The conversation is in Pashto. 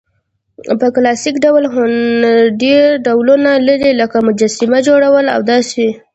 په کلاسیک ډول هنرډېر ډولونه لري؛ لکه: مجسمه، جوړول او داسي...